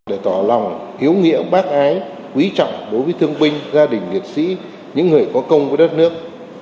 để tỏ lòng hiếu nghĩa bác ái quý trọng đối với thương binh gia đình liệt sĩ những người có công với đất nước